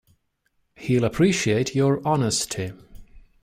He'll appreciate your honesty.